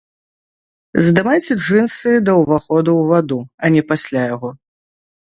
Здымайце джынсы да ўваходу ў ваду, а не пасля яго.